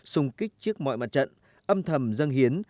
xung kích trước mọi mặt trận âm thầm dân hiến